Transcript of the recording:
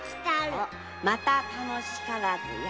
〔「また楽しからずや」〕